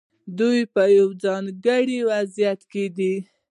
دوی په یو ځانګړي وضعیت کې دي.